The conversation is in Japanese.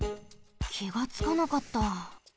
きがつかなかった。